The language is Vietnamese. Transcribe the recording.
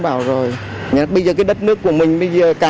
trọng vụ chống vụ social